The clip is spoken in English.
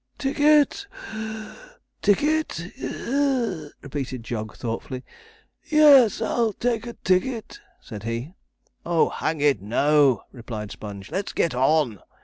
'Ticket (puff), ticket (wheeze)?' repeated Jog thoughtfully. 'Yes, I'll take a ticket,' said he. 'Oh! hang it, no,' replied Sponge; 'let's get on!'